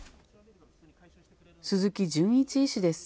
鈴木純一医師です。